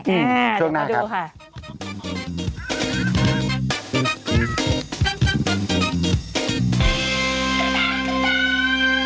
อืมส่วนหน้าครับกลับมาดูค่ะ